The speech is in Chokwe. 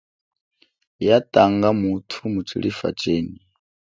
Ya tanga muthu mutshilifa chenyi.